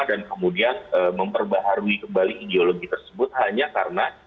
dan kemudian memperbaharui kembali ideologi tersebut hanya karena